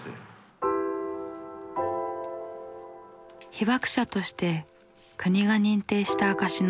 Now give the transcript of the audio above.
被爆者として国が認定した証しの手帳。